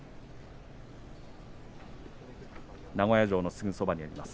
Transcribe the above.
名古屋城のすぐそばにあります